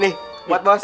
nih buat bos